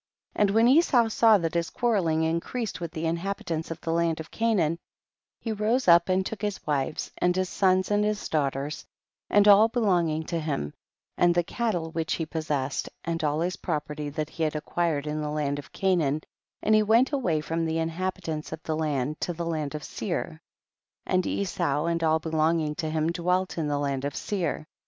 27. And when Esau saw that his quarrelling increased with the inha bitants of the land of Canaan, he rose up and took his wives and his sons and his daughters, and all belonging to him, and the cattle which he pos sessed, and all his property that he had acquired in the land of Canaan, and he went away from the inhabit ants of the land to the land of Seir, and Esau and all belonging to him dwelt in the land of Seir.